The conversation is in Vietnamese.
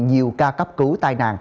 nhiều ca cấp cứu tai nạn